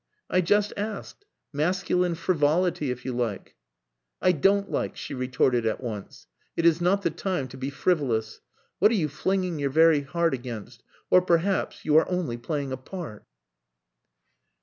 I just asked. Masculine frivolity, if you like." "I don't like," she retorted at once. "It is not the time to be frivolous. What are you flinging your very heart against? Or, perhaps, you are only playing a part."